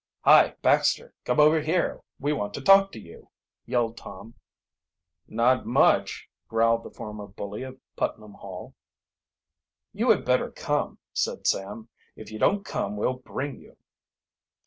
"Hi, Baxter. Come over here; we want to talk to you!" yelled Tom. "Not much!" growled the former bully of Putnam Hall. "You had better come," said Sam. "If you don't come we'll bring you."